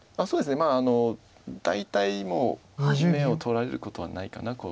そうですね大体もう眼を取られることはないかな。